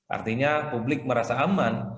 artinya publik merasa aman